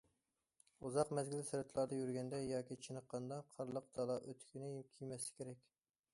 ئۇزاق مەزگىل سىرتلاردا يۈرگەندە ياكى چېنىققاندا قارلىق دالا ئۆتۈكىنى كىيمەسلىك كېرەك.